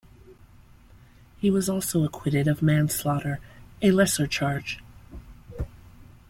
He was also acquitted of manslaughter, a lesser charge.